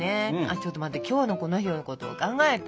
ちょっと待って今日のこの日のことを考えて。